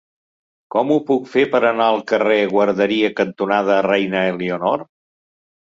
Com ho puc fer per anar al carrer Guarderia cantonada Reina Elionor?